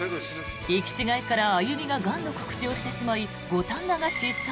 行き違いから歩ががんの告知をしてしまい五反田が失踪。